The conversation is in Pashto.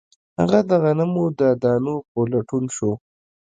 هغه د غنمو د دانو په لټون شو